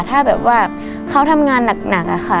ถ้าแบบว่าเขาทำงานหนักอะค่ะ